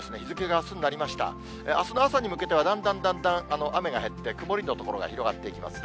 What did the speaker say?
あすの朝に向けてはだんだんだんだん雨が減って、曇りの所が広がっていきますね。